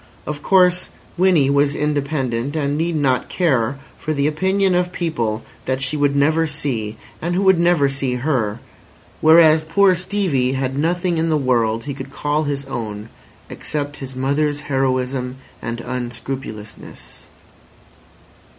Of course, Winnie was independent, and need not care for the opinion of people that she would never see and who would never see her; whereas poor Stevie had nothing in the world he could call his own except his mother's heroism and unscrupulousness.